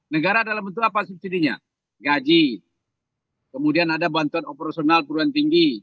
negara dalam bentuk apa subsidinya gaji kemudian ada bantuan operasional perguruan tinggi